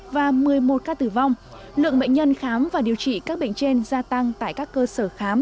và một mươi một ca tử vong lượng bệnh nhân khám và điều trị các bệnh trên gia tăng tại các cơ sở khám